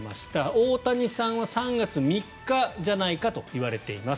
大谷さんは３月３日じゃないかといわれています。